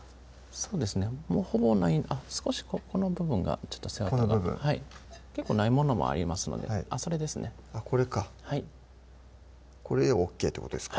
そうですねほぼないあっ少しこの部分が背わたがこの部分結構ないものもありますのであっそれですねあっこれかはいこれでＯＫってことですか？